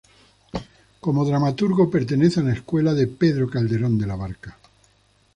Como dramaturgo pertenece a la escuela de Pedro Calderón de la Barca.